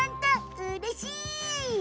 うれしい！